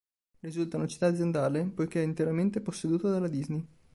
Risulta una città aziendale, poiché è interamente posseduta dalla Disney.